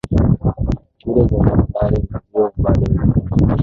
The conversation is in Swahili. shule za sekondari na vyuo bado zinaendelea